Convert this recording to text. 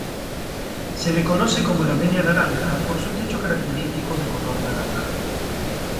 Se le conoce como "La Media Naranja" por su techo característico de color naranja.